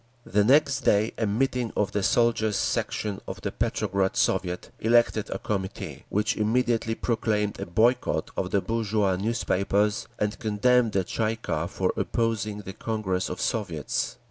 The next day a meeting of the Soldiers' Section of the Petrograd Soviet elected a Committee, which immediately proclaimed a boycott of the bourgeois newspapers, and condemned the Tsay ee kah for opposing the Congress of Soviets.